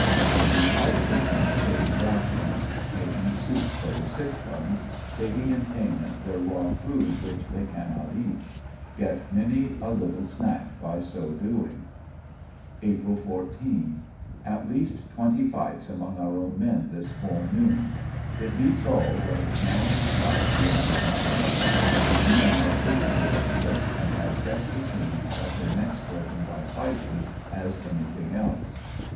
I do quite a business trading rations, making soup for the sick ones, taking in payment their raw food which they cannot eat Get many a little snack by so doing April 14 — At least twenty fights among our own men this fore noon It beats all wliat a snarlmg crowd we are getting to be. The men are perfectly reckless, and i^ad just as soon have their necks broken by fighting as anything else.